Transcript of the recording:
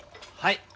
はい。